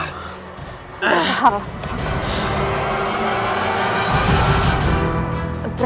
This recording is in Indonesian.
tidak ada hal